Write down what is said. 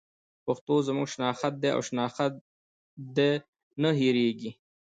پښتو زموږ شناخت دی او شناخت دې نه هېرېږي.